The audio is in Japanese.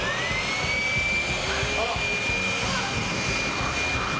あら？